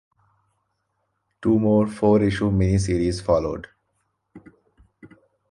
Two more four-issue miniseries followed.